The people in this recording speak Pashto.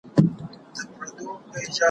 ما مخکي د ښوونځي کتابونه مطالعه کړي وو!